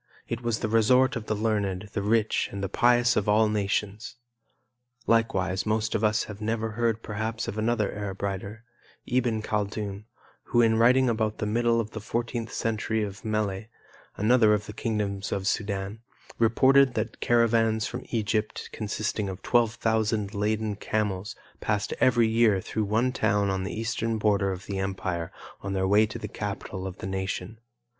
It was the resort of the learned, the rich, and the pious of all nations. Likewise, most of us have never heard perhaps of another Arab writer, Iben Khaldun, who in writing about the middle of the fourteenth century of Melle, another of the kingdoms of the Sudan, reported that caravans from Egypt consisting of twelve thousand laden camels passed every year through one town on the eastern border of the empire on their way to the capital of the nation.